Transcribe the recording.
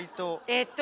えっと。